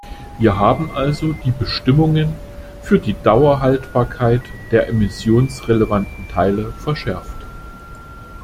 Wir haben also die Bestimmungen für die Dauerhaltbarkeit der emissionsrelevanten Teile verschärft.